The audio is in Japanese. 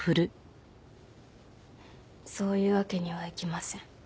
そういうわけにはいきません。